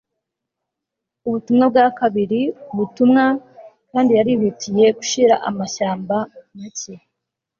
ubutumwa bwa kabiri ubutumwa, kandi yarihutiye gushira amashyamba make